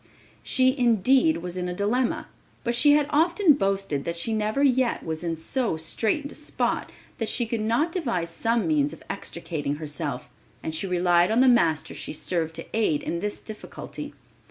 She indeed was in a dilemma; but she had often boasted that she never yet was in so straitened a spot that she could not devise some means of extricating herself, and she relied on the Master she served to aid her in this difficulty.